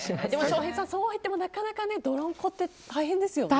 翔平さん、そうはいってもなかなか泥んこって大変ですよね。